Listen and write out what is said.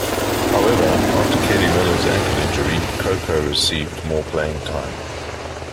However, after Kelly Miller's ankle injury, Coco received more playing time.